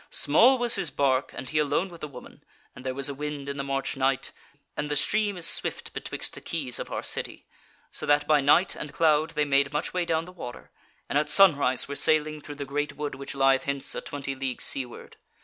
"Small was his barque, and he alone with the woman, and there was a wind in the March night, and the stream is swift betwixt the quays of our city; so that by night and cloud they made much way down the water, and at sunrise were sailing through the great wood which lieth hence a twenty leagues seaward.